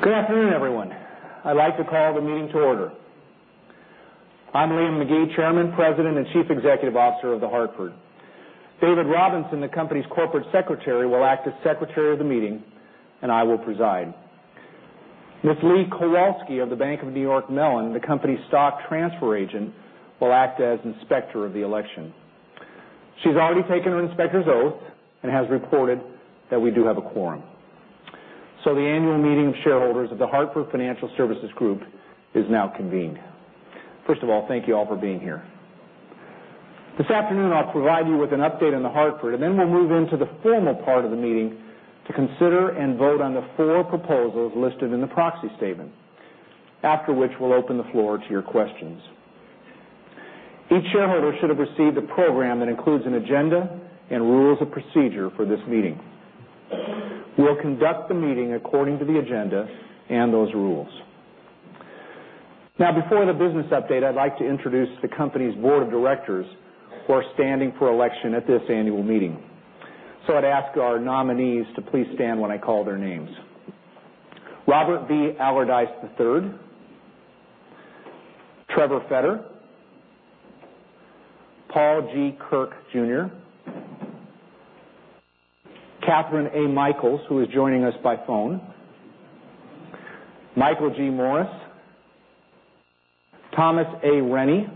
Good afternoon, everyone. I'd like to call the meeting to order. I'm Liam McGee, Chairman, President, and Chief Executive Officer of The Hartford. David Robinson, the company's Corporate Secretary, will act as secretary of the meeting, and I will preside. Ms. Leigh Kowalski of The Bank of New York Mellon, the company's stock transfer agent, will act as inspector of the election. She's already taken her inspector's oath and has reported that we do have a quorum. The annual meeting of shareholders of The Hartford Financial Services Group is now convened. First of all, thank you all for being here. This afternoon, I'll provide you with an update on The Hartford, and then we'll move into the formal part of the meeting to consider and vote on the four proposals listed in the proxy statement. After which, we'll open the floor to your questions. Each shareholder should have received a program that includes an agenda and rules of procedure for this meeting. We'll conduct the meeting according to the agenda and those rules. Before the business update, I'd like to introduce the company's board of directors who are standing for election at this annual meeting. I'd ask our nominees to please stand when I call their names. Robert B. Allardice III, Trevor Fetter, Paul G. Kirk Jr., Ramani Ayer, who is joining us by phone, Michael G. Morris, Thomas M. Rennie,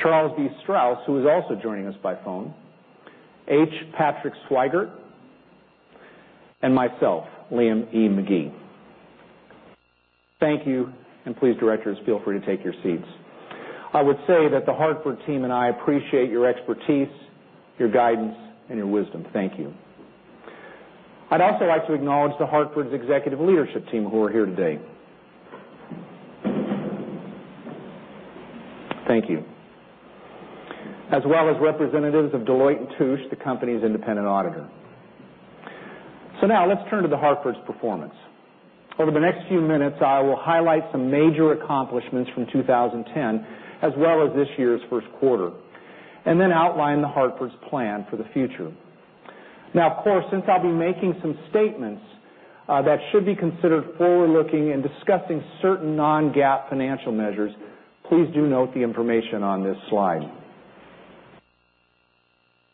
Charles B. Strauss, who is also joining us by phone, H. Patrick Swygert, and myself, Liam E. McGee. Thank you. Please, directors, feel free to take your seats. I would say that The Hartford team and I appreciate your expertise, your guidance, and your wisdom. Thank you. I'd also like to acknowledge The Hartford's executive leadership team who are here today. Thank you. As well as representatives of Deloitte & Touche, the company's independent auditor. Now let's turn to The Hartford's performance. Over the next few minutes, I will highlight some major accomplishments from 2010 as well as this year's first quarter, and then outline The Hartford's plan for the future. Of course, since I'll be making some statements that should be considered forward-looking and discussing certain non-GAAP financial measures, please do note the information on this slide.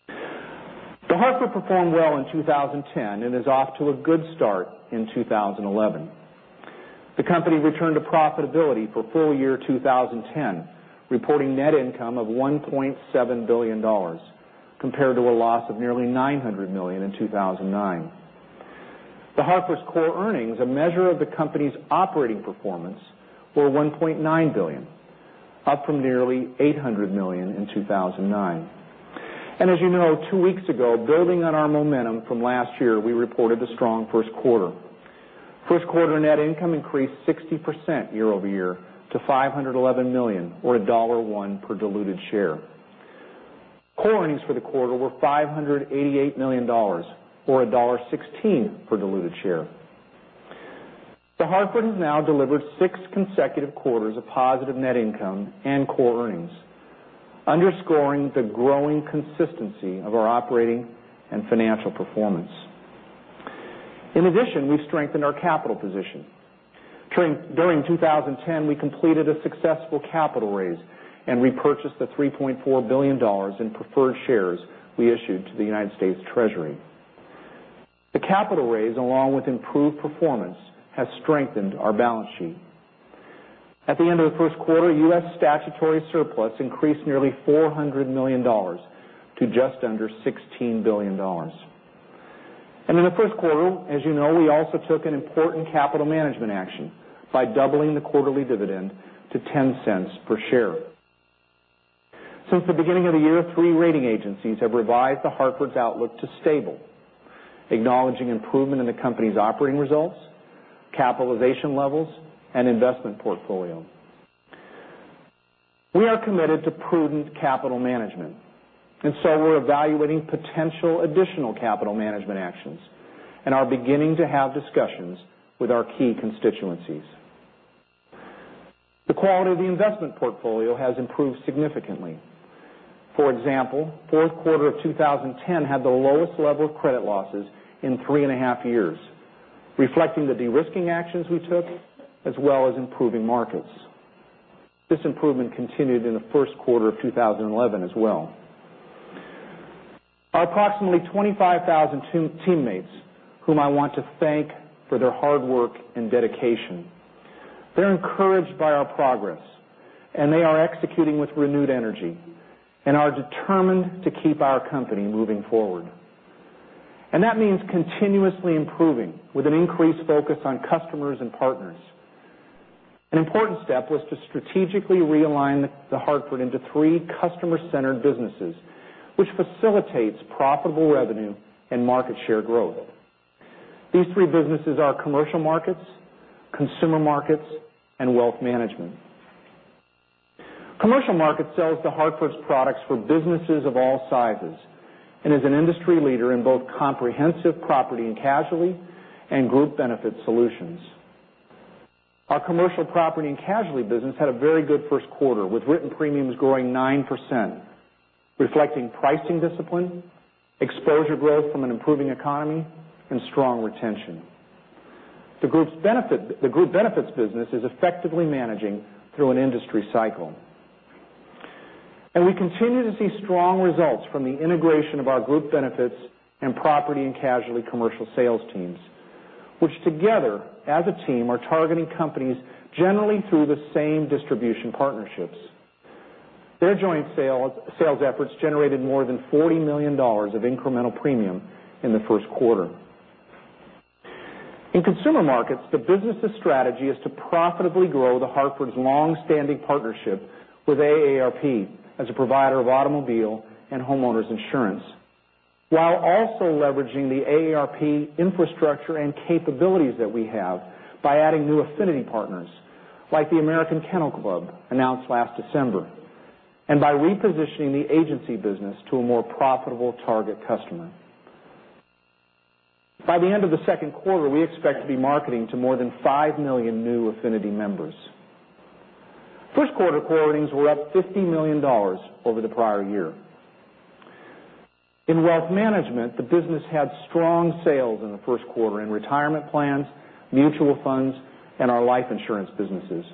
The Hartford performed well in 2010 and is off to a good start in 2011. The company returned to profitability for full year 2010, reporting net income of $1.7 billion compared to a loss of nearly $900 million in 2009. The Hartford's core earnings, a measure of the company's operating performance, were $1.9 billion, up from nearly $800 million in 2009. As you know, two weeks ago, building on our momentum from last year, we reported a strong first quarter. First quarter net income increased 60% year-over-year to $511 million or $1.01 per diluted share. Core earnings for the quarter were $588 million, or $1.16 per diluted share. The Hartford has now delivered six consecutive quarters of positive net income and core earnings, underscoring the growing consistency of our operating and financial performance. In addition, we've strengthened our capital position. During 2010, we completed a successful capital raise and repurchased the $3.4 billion in preferred shares we issued to the United States Treasury. The capital raise, along with improved performance, has strengthened our balance sheet. At the end of the first quarter, U.S. statutory surplus increased nearly $400 million to just under $16 billion. In the first quarter, as you know, we also took an important capital management action by doubling the quarterly dividend to $0.10 per share. Since the beginning of the year, three rating agencies have revised The Hartford's outlook to stable, acknowledging improvement in the company's operating results, capitalization levels, and investment portfolio. We are committed to prudent capital management, so we're evaluating potential additional capital management actions and are beginning to have discussions with our key constituencies. The quality of the investment portfolio has improved significantly. For example, fourth quarter of 2010 had the lowest level of credit losses in three and a half years, reflecting the de-risking actions we took as well as improving markets. This improvement continued in the first quarter of 2011 as well. Our approximately 25,000 teammates, whom I want to thank for their hard work and dedication, they're encouraged by our progress, and they are executing with renewed energy and are determined to keep our company moving forward. That means continuously improving with an increased focus on customers and partners. An important step was to strategically realign The Hartford into three customer-centered businesses, which facilitates profitable revenue and market share growth. These three businesses are Commercial Markets, Consumer Markets, and Wealth Management. Commercial Markets sells The Hartford's products for businesses of all sizes and is an industry leader in both comprehensive property and casualty and group benefit solutions. Our commercial property and casualty business had a very good first quarter, with written premiums growing 9%, reflecting pricing discipline, exposure growth from an improving economy, and strong retention. The group benefits business is effectively managing through an industry cycle. We continue to see strong results from the integration of our group benefits and property and casualty commercial sales teams, which together, as a team, are targeting companies generally through the same distribution partnerships. Their joint sales efforts generated more than $40 million of incremental premium in the first quarter. In Consumer Markets, the business's strategy is to profitably grow The Hartford's long-standing partnership with AARP as a provider of automobile and homeowners insurance, while also leveraging the AARP infrastructure and capabilities that we have by adding new affinity partners, like the American Kennel Club, announced last December, and by repositioning the agency business to a more profitable target customer. By the end of the second quarter, we expect to be marketing to more than 5 million new affinity members. First quarter core earnings were up $50 million over the prior year. In Wealth Management, the business had strong sales in the first quarter in retirement plans, mutual funds, and our life insurance businesses.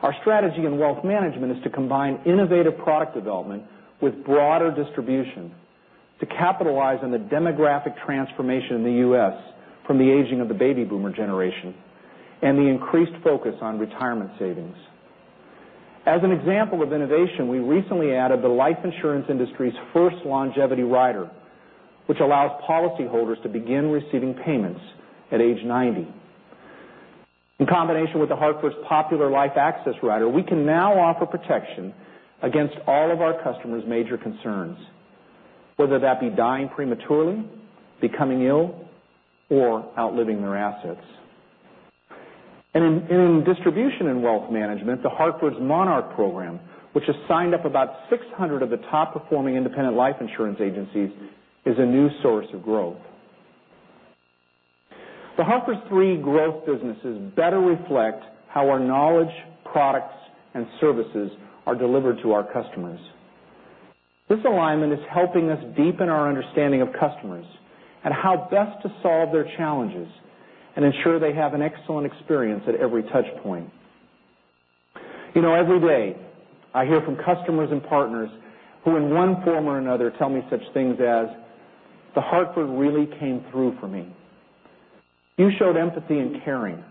Our strategy in Wealth Management is to combine innovative product development with broader distribution to capitalize on the demographic transformation in the U.S. from the aging of the baby boomer generation and the increased focus on retirement savings. As an example of innovation, we recently added the life insurance industry's first LongevityAccess Rider, which allows policyholders to begin receiving payments at age 90. In combination with The Hartford's popular LifeAccess Rider, we can now offer protection against all of our customers' major concerns, whether that be dying prematurely, becoming ill, or outliving their assets. In distribution and Wealth Management, The Hartford's Monarch program, which has signed up about 600 of the top-performing independent life insurance agencies, is a new source of growth. The Hartford's three growth businesses better reflect how our knowledge, products, and services are delivered to our customers. This alignment is helping us deepen our understanding of customers and how best to solve their challenges and ensure they have an excellent experience at every touch point. Every day I hear from customers and partners who, in one form or another, tell me such things as, "The Hartford really came through for me. You showed empathy and caring.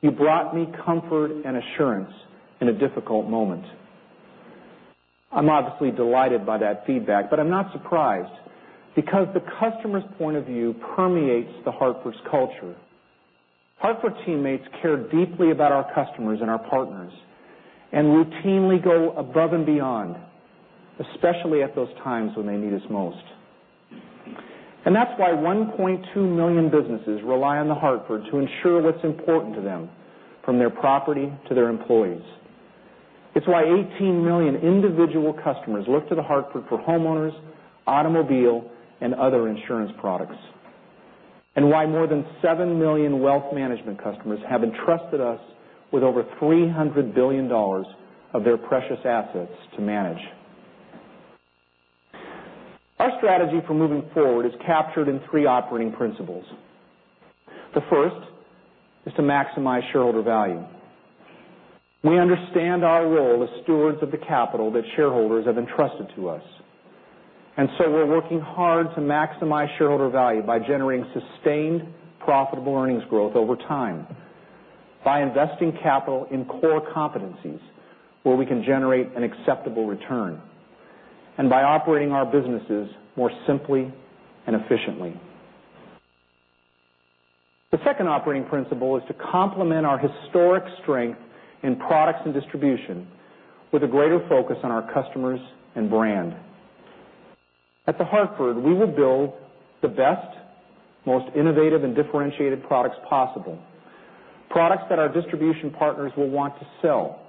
You brought me comfort and assurance in a difficult moment." I'm obviously delighted by that feedback, but I'm not surprised because the customer's point of view permeates The Hartford's culture. Hartford teammates care deeply about our customers and our partners and routinely go above and beyond, especially at those times when they need us most. That's why 1.2 million businesses rely on The Hartford to ensure what's important to them, from their property to their employees. It's why 18 million individual customers look to The Hartford for homeowners, automobile, and other insurance products, and why more than 7 million wealth management customers have entrusted us with over $300 billion of their precious assets to manage. Our strategy for moving forward is captured in three operating principles. The first is to maximize shareholder value. We understand our role as stewards of the capital that shareholders have entrusted to us. We're working hard to maximize shareholder value by generating sustained profitable earnings growth over time, by investing capital in core competencies where we can generate an acceptable return, and by operating our businesses more simply and efficiently. The second operating principle is to complement our historic strength in products and distribution with a greater focus on our customers and brand. At The Hartford, we will build the best, most innovative and differentiated products possible, products that our distribution partners will want to sell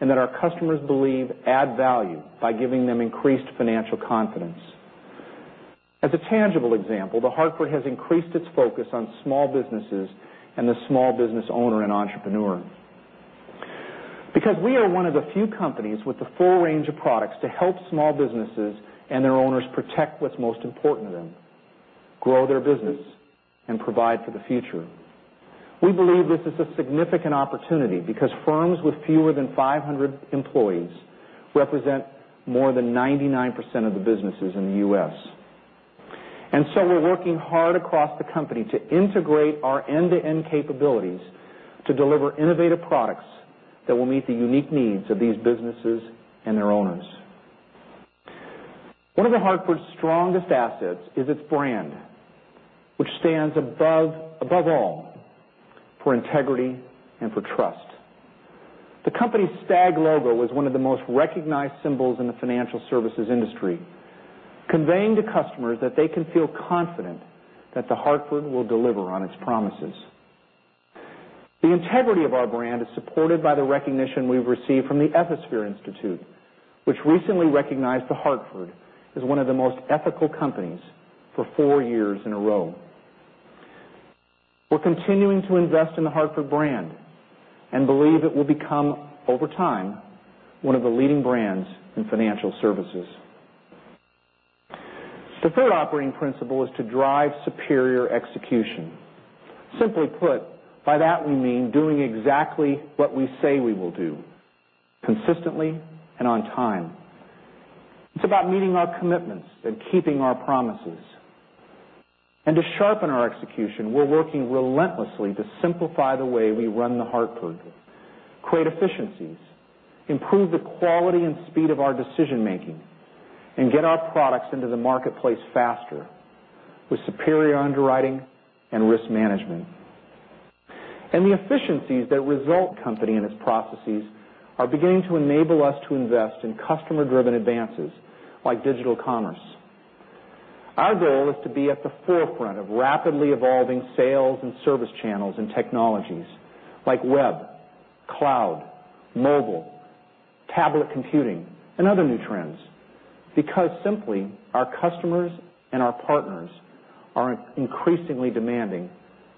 and that our customers believe add value by giving them increased financial confidence. As a tangible example, The Hartford has increased its focus on small businesses and the small business owner and entrepreneur. We are one of the few companies with the full range of products to help small businesses and their owners protect what's most important to them, grow their business, and provide for the future. We believe this is a significant opportunity because firms with fewer than 500 employees represent more than 99% of the businesses in the U.S. We're working hard across the company to integrate our end-to-end capabilities to deliver innovative products that will meet the unique needs of these businesses and their owners. One of The Hartford's strongest assets is its brand, which stands above all for integrity and for trust. The company's stag logo is one of the most recognized symbols in the financial services industry, conveying to customers that they can feel confident that The Hartford will deliver on its promises. The integrity of our brand is supported by the recognition we've received from the Ethisphere Institute. Which recently recognized The Hartford as one of the most ethical companies for four years in a row. We're continuing to invest in the Hartford brand and believe it will become, over time, one of the leading brands in financial services. The third operating principle is to drive superior execution. Simply put, by that we mean doing exactly what we say we will do, consistently and on time. It's about meeting our commitments and keeping our promises. To sharpen our execution, we're working relentlessly to simplify the way we run The Hartford, create efficiencies, improve the quality and speed of our decision-making, and get our products into the marketplace faster with superior underwriting and risk management. The efficiencies that result company and its processes are beginning to enable us to invest in customer-driven advances, like digital commerce. Our goal is to be at the forefront of rapidly evolving sales and service channels and technologies like web, cloud, mobile, tablet computing, and other new trends, because simply, our customers and our partners are increasingly demanding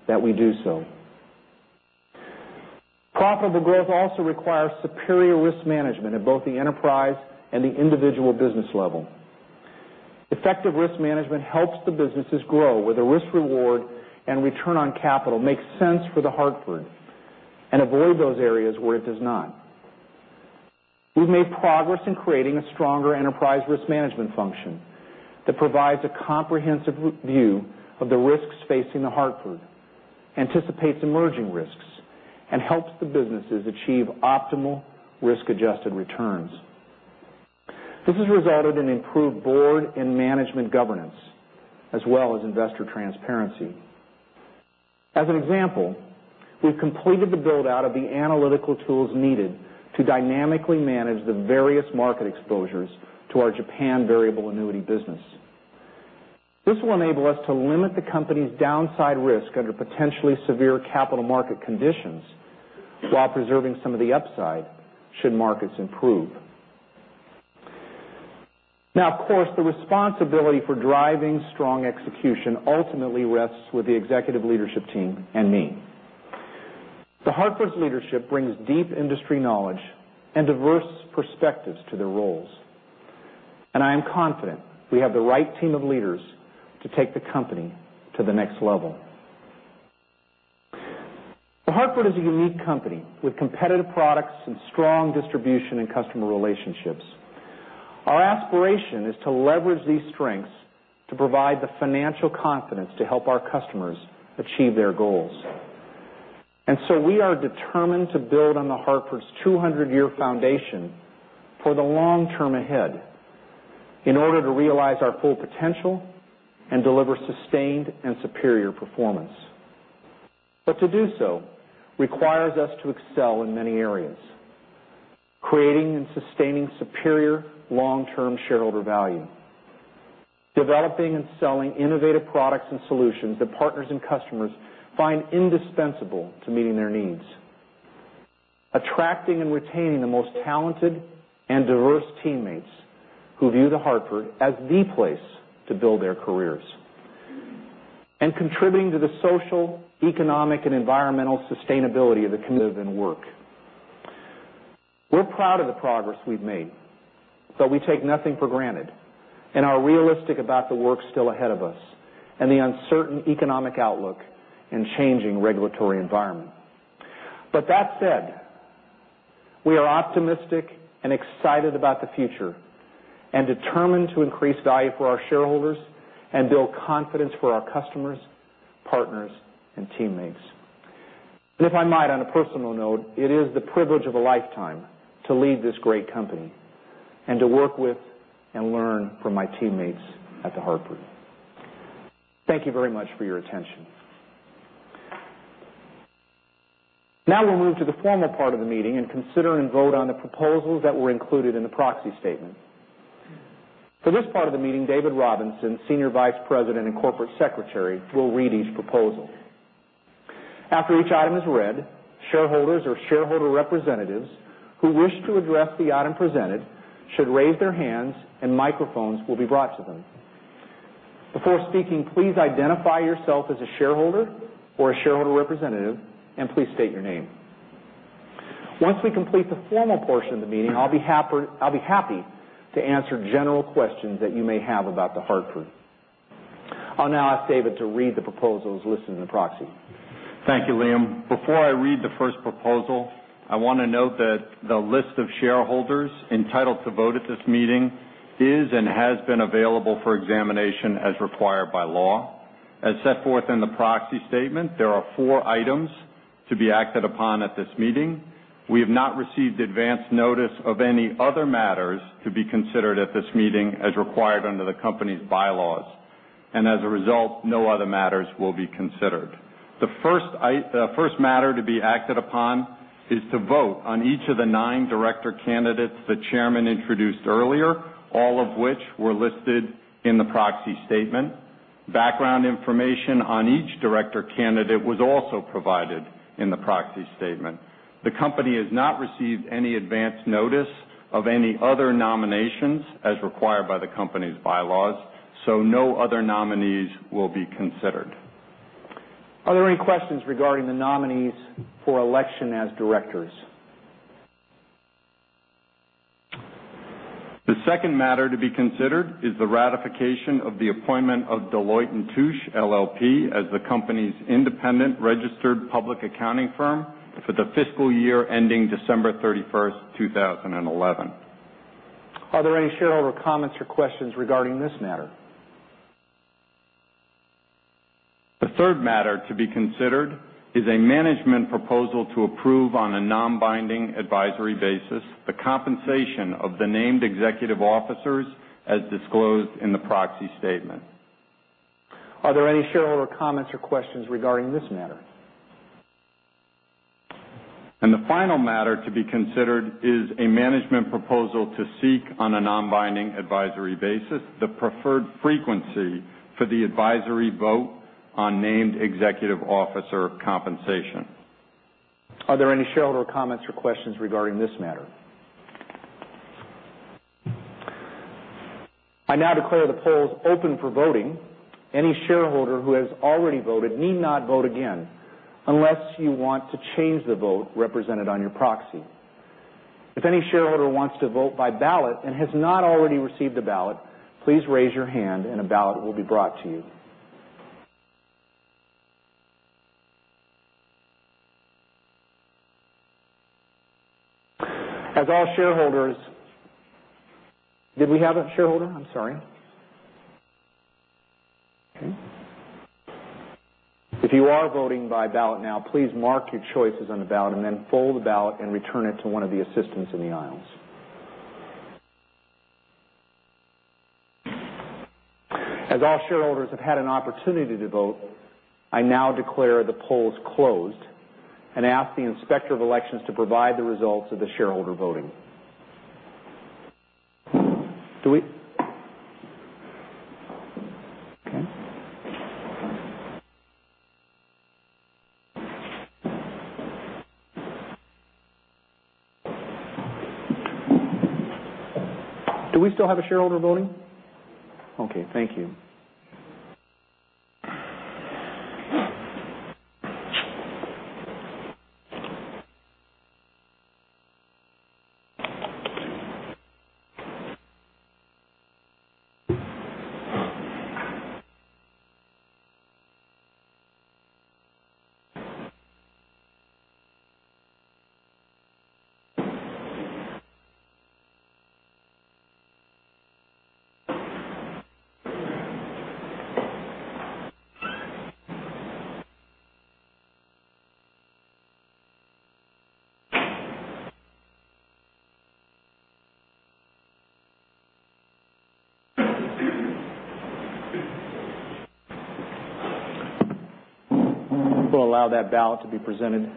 that we do so. Profitable growth also requires superior risk management at both the enterprise and the individual business level. Effective risk management helps the businesses grow where the risk-reward and return on capital makes sense for The Hartford, and avoid those areas where it does not. We've made progress in creating a stronger enterprise risk management function that provides a comprehensive view of the risks facing The Hartford, anticipates emerging risks, and helps the businesses achieve optimal risk-adjusted returns. This has resulted in improved board and management governance, as well as investor transparency. As an example, we've completed the build-out of the analytical tools needed to dynamically manage the various market exposures to our Japan variable annuity business. This will enable us to limit the company's downside risk under potentially severe capital market conditions while preserving some of the upside should markets improve. Of course, the responsibility for driving strong execution ultimately rests with the executive leadership team and me. The Hartford's leadership brings deep industry knowledge and diverse perspectives to their roles, I am confident we have the right team of leaders to take the company to the next level. The Hartford is a unique company with competitive products and strong distribution and customer relationships. Our aspiration is to leverage these strengths to provide the financial confidence to help our customers achieve their goals. We are determined to build on The Hartford's 200-year foundation for the long term ahead in order to realize our full potential and deliver sustained and superior performance. To do so requires us to excel in many areas, creating and sustaining superior long-term shareholder value, developing and selling innovative products and solutions that partners and customers find indispensable to meeting their needs, attracting and retaining the most talented and diverse teammates who view The Hartford as the place to build their careers, and contributing to the social, economic, and environmental sustainability of the community and work. We're proud of the progress we've made, we take nothing for granted and are realistic about the work still ahead of us and the uncertain economic outlook and changing regulatory environment. That said, we are optimistic and excited about the future and determined to increase value for our shareholders and build confidence for our customers, partners, and teammates. If I might, on a personal note, it is the privilege of a lifetime to lead this great company and to work with and learn from my teammates at The Hartford. Thank you very much for your attention. Now we'll move to the formal part of the meeting and consider and vote on the proposals that were included in the proxy statement. For this part of the meeting, David Robinson, Senior Vice President and Corporate Secretary, will read each proposal. After each item is read, shareholders or shareholder representatives who wish to address the item presented should raise their hands, and microphones will be brought to them. Before speaking, please identify yourself as a shareholder or a shareholder representative, and please state your name. Once we complete the formal portion of the meeting, I'll be happy to answer general questions that you may have about The Hartford. I'll now ask David to read the proposals listed in the proxy. Thank you, Liam. Before I read the first proposal, I want to note that the list of shareholders entitled to vote at this meeting is and has been available for examination as required by law. As set forth in the proxy statement, there are four items to be acted upon at this meeting. We have not received advance notice of any other matters to be considered at this meeting as required under the company's bylaws, and as a result, no other matters will be considered. The first matter to be acted upon is to vote on each of the nine director candidates the chairman introduced earlier, all of which were listed in the proxy statement. Background information on each director candidate was also provided in the proxy statement. The company has not received any advance notice of any other nominations as required by the company's bylaws, so no other nominees will be considered. Are there any questions regarding the nominees for election as directors? The second matter to be considered is the ratification of the appointment of Deloitte & Touche LLP, as the company's independent registered public accounting firm for the fiscal year ending December 31st, 2011. Are there any shareholder comments or questions regarding this matter? The third matter to be considered is a management proposal to approve on a non-binding advisory basis the compensation of the named executive officers as disclosed in the proxy statement. Are there any shareholder comments or questions regarding this matter? The final matter to be considered is a management proposal to seek, on a non-binding advisory basis, the preferred frequency for the advisory vote on named executive officer compensation. Are there any shareholder comments or questions regarding this matter? I now declare the polls open for voting. Any shareholder who has already voted need not vote again unless you want to change the vote represented on your proxy. If any shareholder wants to vote by ballot and has not already received a ballot, please raise your hand and a ballot will be brought to you. Did we have a shareholder? I'm sorry. If you are voting by ballot now, please mark your choices on the ballot and then fold the ballot and return it to one of the assistants in the aisles. As all shareholders have had an opportunity to vote, I now declare the polls closed and ask the Inspector of Elections to provide the results of the shareholder voting. Do we still have a shareholder voting? Thank you. We'll allow that ballot to be presented.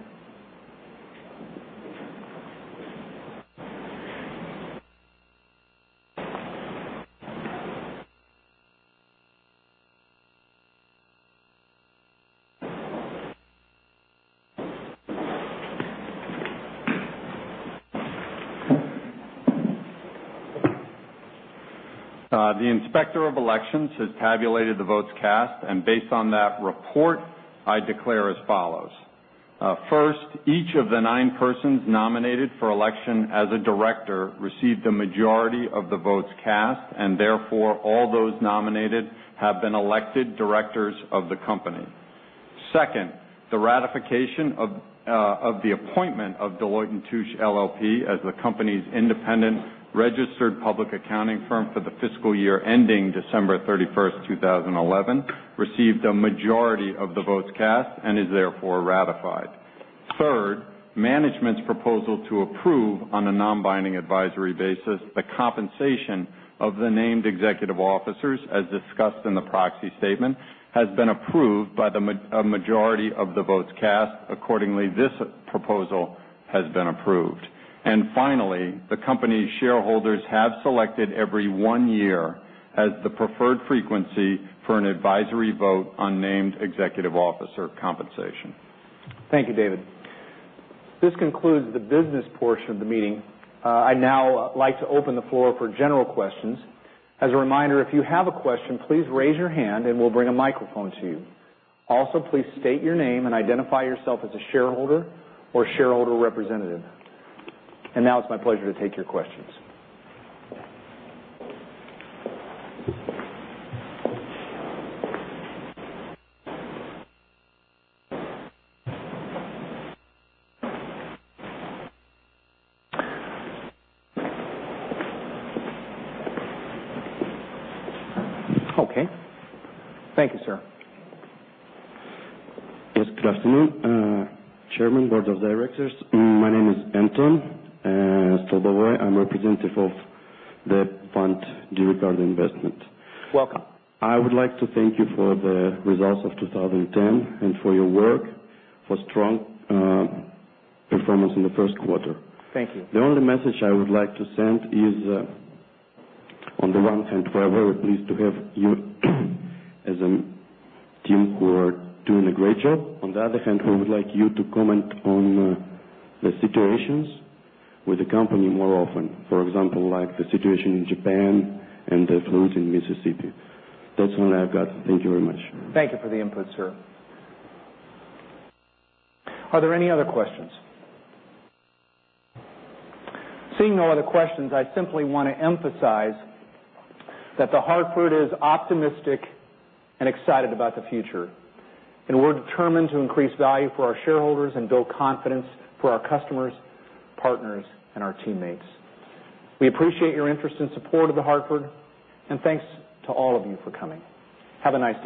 The Inspector of Elections has tabulated the votes cast, based on that report, I declare as follows. First, each of the nine persons nominated for election as a director received a majority of the votes cast, and therefore, all those nominated have been elected directors of the company. Second, the ratification of the appointment of Deloitte & Touche LLP as the company's independent registered public accounting firm for the fiscal year ending December 31st, 2011, received a majority of the votes cast and is therefore ratified. Third, management's proposal to approve, on a non-binding advisory basis, the compensation of the named executive officers as discussed in the proxy statement, has been approved by a majority of the votes cast. Accordingly, this proposal has been approved. Finally, the company's shareholders have selected every one year as the preferred frequency for an advisory vote on named executive officer compensation. Thank you, David. This concludes the business portion of the meeting. I now like to open the floor for general questions. As a reminder, if you have a question, please raise your hand and we'll bring a microphone to you. Also, please state your name and identify yourself as a shareholder or shareholder representative. Now it's my pleasure to take your questions. Okay. Thank you, sir. Yes. Good afternoon, Chairman, Board of Directors. My name is Anton Stobowé. I'm representative of the fund, Due Regard Investment. Welcome. I would like to thank you for the results of 2010 and for your work, for strong performance in the first quarter. Thank you. The only message I would like to send is, on the one hand, we are very pleased to have you as a team who are doing a great job. On the other hand, we would like you to comment on the situations with the company more often. For example, like the situation in Japan and the floods in Mississippi. That's all I've got. Thank you very much. Thank you for the input, sir. Are there any other questions? Seeing no other questions, I simply want to emphasize that The Hartford is optimistic and excited about the future, and we're determined to increase value for our shareholders and build confidence for our customers, partners, and our teammates. We appreciate your interest and support of The Hartford, and thanks to all of you for coming. Have a nice day.